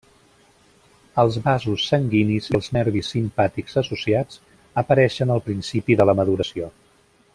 Els vasos sanguinis i els nervis simpàtics associats, apareixen al principi de la maduració.